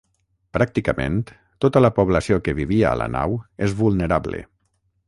Pràcticament tota la població que vivia a la nau és vulnerable.